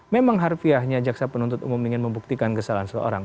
memang harfiahnya jaksa penuntut umum ingin membuktikan kesalahan seorang